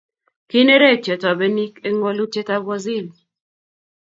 kinerekyo tobenik eng wolutyetab waziri